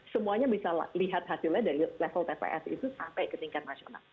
semuanya bisa lihat hasilnya dari level tps itu sampai ke tingkat nasional